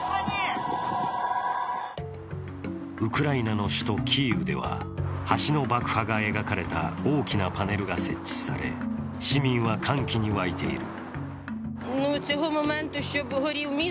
ウクライナの首都キーウでは橋の爆破が描かれた大きなパネルが設置され市民は歓喜に沸いている。